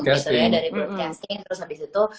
dari broadcasting terus abis itu